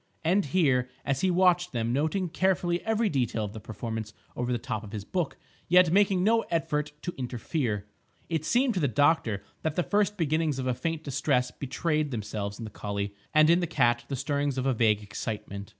And, here, as he watched them, noting carefully every detail of the performance over the top of his book, yet making no effort to interfere, it seemed to the doctor that the first beginnings of a faint distress betrayed themselves in the collie, and in the cat the stirrings of a vague excitement.